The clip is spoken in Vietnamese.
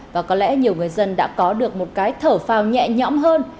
và có lẽ nhiều người dân đã có được một cái thở phao nhẹ nhõm hơn